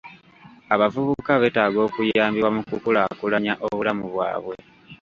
Abavubuka beetaaga okuyambibwa mu kukulaakulanya obulamu bwabwe